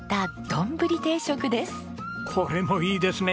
これもいいですね